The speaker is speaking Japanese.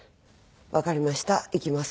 わかりました行きます。